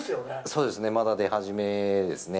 そうですね、まだ出始めですね。